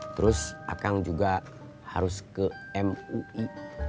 terus akang juga harus ke mui